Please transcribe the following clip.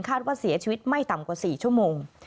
ว่าเสียชีวิตไม่ต่ำกว่า๔ชั่วโมง